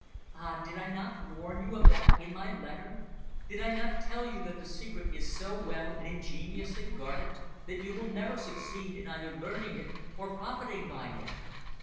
"Ah! did I not warn you of that in my letter? Did I not tell you that the secret is so well and ingeniously guarded that you will never succeed in either learning it or profiting by it?"